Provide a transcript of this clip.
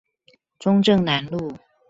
中正南路